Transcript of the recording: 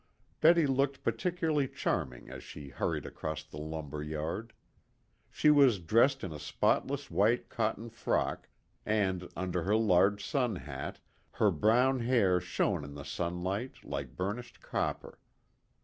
Betty looked particularly charming as she hurried across the lumber yard. She was dressed in a spotless white cotton frock, and, under her large sun hat, her brown hair shone in the sunlight like burnished copper.